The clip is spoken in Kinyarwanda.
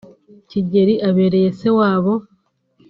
Kigeli abereye se wabo